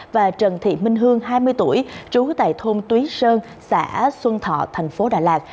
và trần thị minh hương hai mươi tuổi trú tại thôn túy sơn xã xuân thọ tp đà lạt